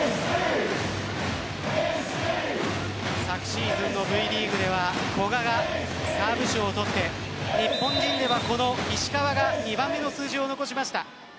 昨シーズンのＶリーグでは古賀がサーブ賞を取って日本人ではこの石川が２番目の数字を残しました。